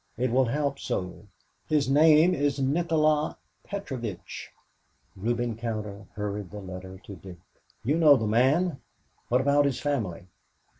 It will help so. His name is Nikola Petrovitch." Reuben Cowder hurried the letter to Dick. "You know the man, what about his family?"